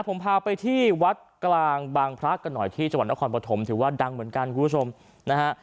ผมพาไปที่วัดกลางบางพระกันหน่อยที่จังหวัดนครปฐมถือว่าดังเหมือนกันคุณผู้ชมนะฮะ